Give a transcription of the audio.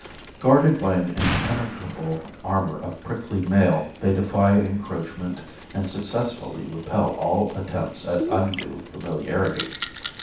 Guarded by an impenetrable armor of prickly mail they defy encroachment and successfully repel all attempts at undue familiarity.